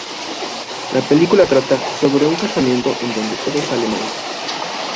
La película trata sobre un casamiento en donde todo sale mal.